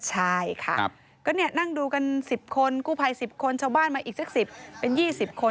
ใช่ค่ะก็เนี่ยนั่งดูกันสิบคนกู้ภัยสิบคนชาวบ้านมาอีกสักสิบเป็นยี่สิบคน